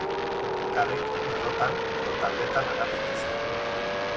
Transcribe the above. Bakarrik, lerrotan edo taldetan ager daitezke.